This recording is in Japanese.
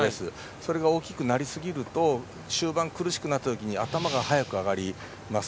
それが大きくなると終盤苦しくなったとき頭が早く上がります。